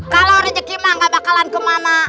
kalau rezeki ma nggak bakalan ke mama